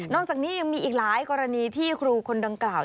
จากนี้ยังมีอีกหลายกรณีที่ครูคนดังกล่าว